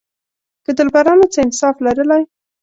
که دلبرانو څه انصاف لرلای.